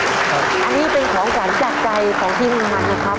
อันนี้เป็นของขวัญจากใจของทีมมันนะครับ